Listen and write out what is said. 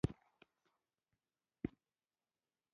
د یو څه د لیکلو وړاندې فکر وکړه.